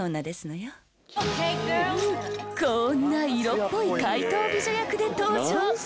こんな色っぽい怪盗美女役で登場。